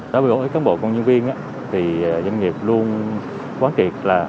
đối với cán bộ công nhân viên thì doanh nghiệp luôn quán triệt là